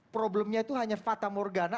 problemnya itu hanya fata morgana